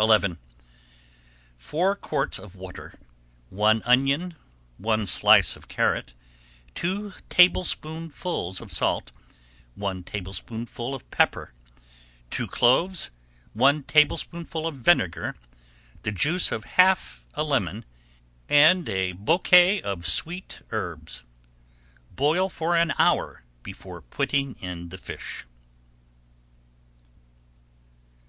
XI Four quarts of water, one onion, one slice of carrot, two tablespoonfuls of salt, one tablespoonful of pepper, two cloves, one tablespoonful of vinegar, the juice of half a lemon, and a bouquet of sweet herbs. Boil for an hour before putting in the fish.